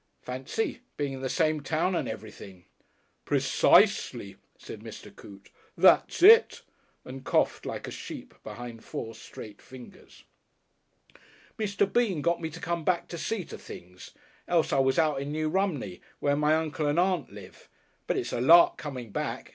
Fancy being in the same town and everything!" "Precisely," said Mr. Coote. "That's it!" and coughed like a sheep behind four straight fingers. "Mr. Bean got me to come back to see to things. Else I was out in New Romney, where my Uncle and Aunt live. But it's a Lark coming back.